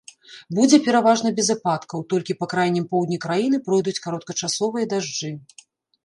Будзе пераважна без ападкаў, толькі па крайнім поўдні краіны пройдуць кароткачасовыя дажджы.